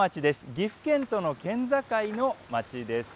岐阜県との県境の町です。